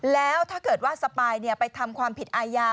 แล้วถ้าเกิดว่าสปายไปทำความผิดอาญา